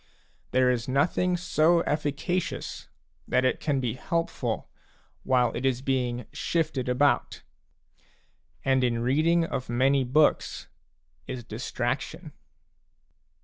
There is nothing so efficacious that it can be helpful while it is being shifted about. And in reading of many books is distraction.